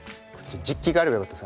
実機があればよかったです。